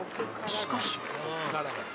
しかし